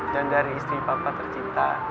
dan dari istri papa tercinta